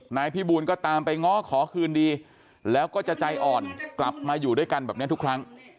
นายพี่บูลก็ตามไปง้อขอคืนดีแล้วก็จะใจอ่อนกลับมาอยู่ด้วยกันแบบนี้ทุกครั้ง